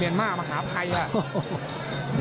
เมียนมาร์มหาภัยอะ